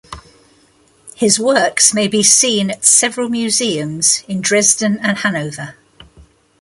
His works may be seen at several museums in Dresden and Hanover.